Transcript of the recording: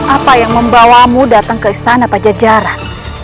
apa yang membawamu datang ke istana pajajaran